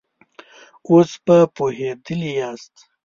اوس به پوهېدلي ياست.